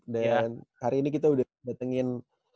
dan hari ini kita udah datengin